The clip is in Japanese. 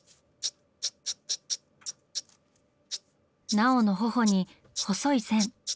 奈緒の頬に細い線。